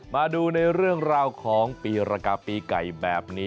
มาดูในเรื่องราวของปีรกาปีไก่แบบนี้